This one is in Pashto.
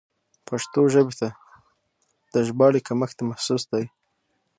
پښتو ژبې ته د ژباړې کمښت محسوس دی.